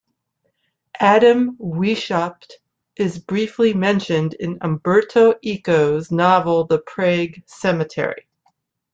Adam Weishaupt is briefly mentioned in Umberto Eco's novel "The Prague Cemetery".